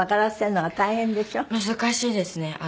難しいですね。